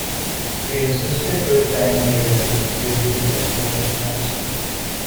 He insisted to his dying day that his disease was liver cancer.